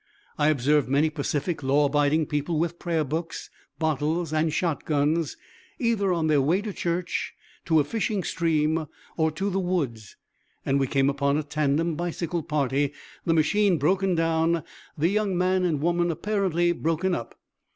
I observed many pacific, law abiding people with prayer books, bottles and shot guns, either on their way to church, to a fishing stream, or to the woods; and we came upon a tandem bicycle party, the machine broken down, the young man and woman apparently broken up.